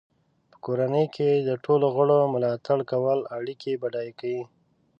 په کورنۍ کې د ټولو غړو ملاتړ کول اړیکې بډای کوي.